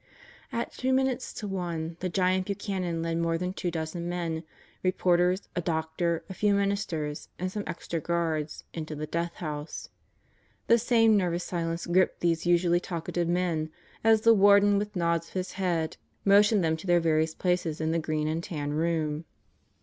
At two minutes to one the giant Buchanan led more than two dozen men reporters, a doctor, a few ministers, and some extra guards into the Death House. The same nervous silence gripped these usually talkative men as the Warden, with nods of his head, motioned them to their various places in the green and tan room.